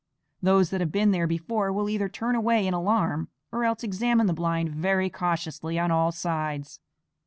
Those that have been there before will either turn away in alarm, or else examine the blind very cautiously on all sides.